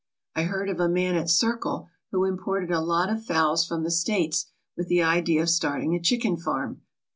I heard of a man at Circle who imported a lot of fowls from the States with the idea of starting a chicken farm.